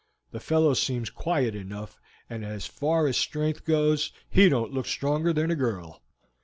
The fellow seems quiet enough, and as far as strength goes he don't look stronger than a girl."